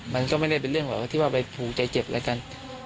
มันก็ไม่ได้เป็นเรื่องที่ว่าไปถูกใจเจ็บเลยกัน